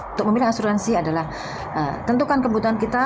untuk memilih asuransi adalah tentukan kebutuhan kita